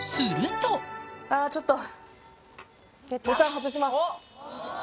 あぁちょっと。